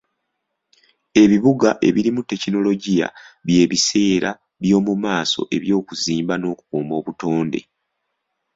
Ebibuga ebirimu tekinologiya by'ebiseera by'omu maaso eby'okuzimba n'okukuuma obutonde.